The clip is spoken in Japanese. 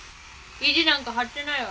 意地なんか張ってないわ。